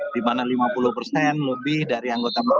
di mana lima puluh persen lebih dari anggota mereka